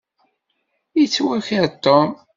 Yettwaker Tom.